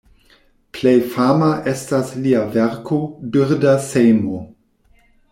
Plej fama estas lia verko "Birda sejmo".